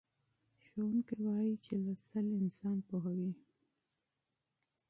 ښوونکی وایي چې مطالعه انسان پوهوي.